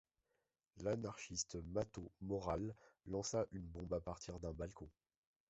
L'anarchiste Mateau Morral lança une bombe à partir d'un balcon.